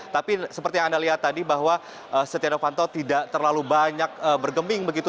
tapi seperti yang anda lihat tadi bahwa setia novanto tidak terlalu banyak bergeming begitu